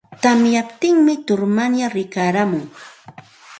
tamyamuptin tutur wayraa rikarimun.